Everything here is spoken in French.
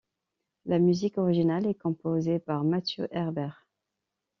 La musique originale est composée par Matthew Herbert.